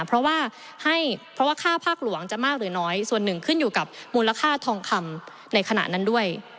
เพราะว่าให้เพราะว่าค่าภาคหลวงจะมากหรือน้อยส่วนหนึ่งขึ้นอยู่กับมูลค่าทองคำในขณะนั้นด้วย